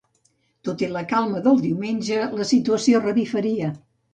Tot i la calma del diumenge, la situació revifaria.